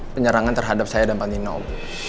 penyerangan terhadap saya dan pantino om